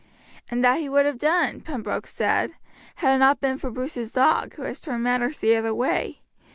"And that he would have done," Pembroke said, "had it not been for Bruce's dog, who has turned matters the other way.